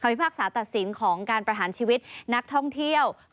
พิพากษาตัดสินของการประหารชีวิตนักท่องเที่ยว